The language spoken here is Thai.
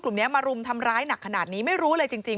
กลุ่มนี้มารุมทำร้ายหนักขนาดนี้ไม่รู้เลยจริง